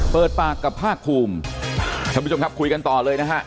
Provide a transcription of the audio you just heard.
เปิดปากกับภาคภูมิท่านผู้ชมครับคุยกันต่อเลยนะฮะ